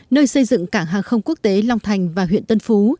nơi xây dựng cảng hàng không quốc tế long thành và huyện tân phú